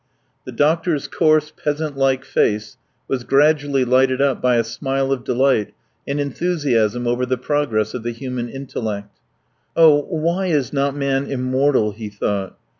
The doctor's coarse peasant like face was gradually lighted up by a smile of delight and enthusiasm over the progress of the human intellect. Oh, why is not man immortal? he thought.